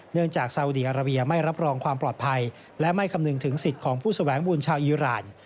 จากซาอุดีอาราเบียไม่รับรองความปลอดภัยและไม่คำนึงถึงสิทธิ์ของผู้แสวงบุญชาวอีราน